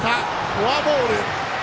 フォアボール。